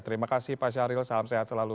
terima kasih pak syahril salam sehat selalu